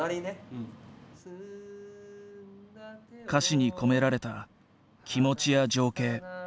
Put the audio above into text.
歌詞に込められた気持ちや情景。